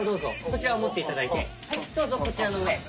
こちらをもっていただいてはいどうぞこちらのうえへ。